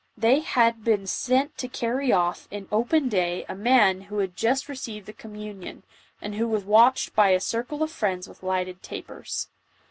They had been sent to carry off in open day a man who had just received the communion, and who was watched by a circle of friends with lighted tapers."